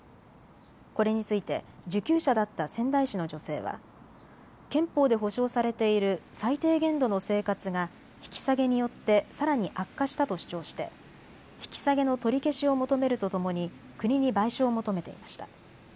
これについて受給者だった仙台市の女性は憲法で保障されている最低限度の生活が引き下げによってさらに悪化したと主張して引き下げの取り消しを求めるとともに国に賠償を求めていました。